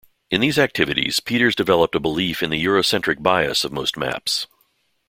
In these activities Peters developed a belief in the Eurocentric bias of most maps.